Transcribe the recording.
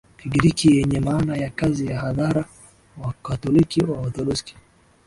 Kigiriki yenye maana ya kazi ya hadhara Wakatoliki Waorthodoksi